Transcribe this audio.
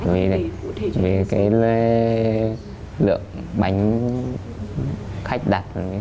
vì cái lượng bánh khách đặt